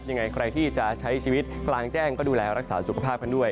ยังไงใครที่จะใช้ชีวิตกลางแจ้งก็ดูแลรักษาสุขภาพกันด้วย